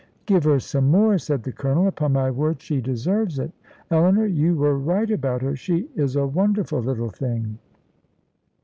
"Give her some more," said the Colonel; "upon my word she deserves it. Eleanor, you were right about her; she is a wonderful little thing."